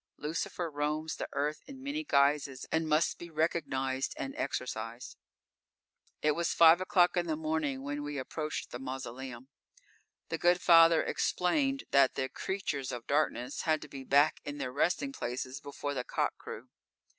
Lucifer roams the earth in many guises and must be recognized and exorcised." It was five o'clock in the morning when we approached the mausoleum. The Good Father explained that the "creatures of darkness" had to be back in their resting places before the cock crew.